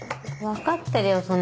分かってるよ